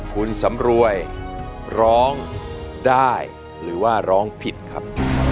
คุณสำรวยร้องได้หรือว่าร้องผิดครับ